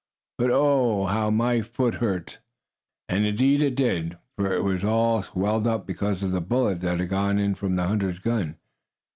"But, oh, how my foot hurts!" And indeed it did, for it was all swelled up because of the bullet that had gone in from the hunter's gun.